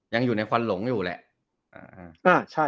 ยังอยู่ในควันหลงอยู่แหละ